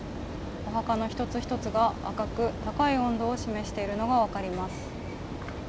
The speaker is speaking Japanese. お墓の一つ一つが赤く、高い温度を示しているのが分かります。